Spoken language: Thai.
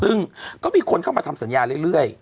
ซึ่งก็มีคนเข้ามาทำสัญญาเรื่อย